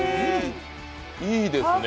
いいですね。